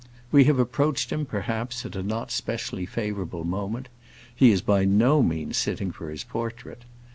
We have approached him, perhaps, at a not especially favorable moment; he is by no means sitting for his portrait.